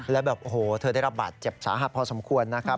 แล้วแบบโอ้โหเธอได้รับบาดเจ็บสาหัสพอสมควรนะครับ